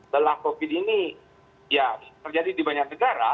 lelah covid ini ya terjadi di banyak negara